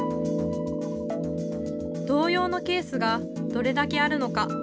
同様のケースがどれだけあるのか。